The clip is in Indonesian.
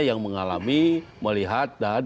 yang mengalami melihat dan